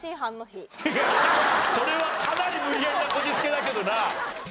それはかなり無理やりなこじつけだけどな。